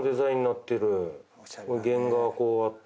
弦がこうあって。